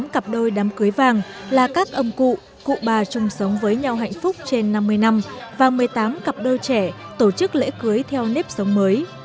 tám cặp đôi đám cưới vàng là các ông cụ cụ bà chung sống với nhau hạnh phúc trên năm mươi năm và một mươi tám cặp đôi trẻ tổ chức lễ cưới theo nếp sống mới